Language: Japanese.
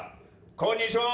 こんにちは！」